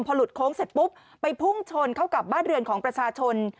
พอหลุดโค้งเสร็จปุ๊บไปพุ่งชนเข้ากับบ้านเรือนของประชาชน